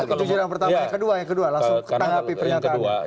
itu kejujuran pertama yang kedua ya langsung ketanggapi pernyataan ini